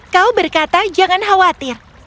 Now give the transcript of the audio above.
kau berkata jangan khawatir